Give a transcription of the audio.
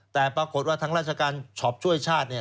แต่ปรากฏว่าทางราชการช็อปช่วยชาติเนี่ย